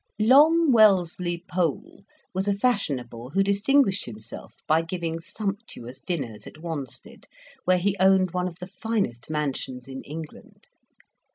Long Wellesley Pole was a fashionable who distinguished himself by giving sumptuous dinners at Wanstead, where he owned one of the finest mansions in England.